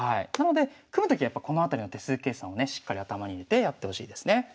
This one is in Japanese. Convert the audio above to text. なので組むときはこのあたりの手数計算をねしっかり頭に入れてやってほしいですね。